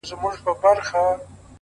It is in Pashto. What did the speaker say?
صبر د لوړو موخو تر ټولو قوي ملګری دی!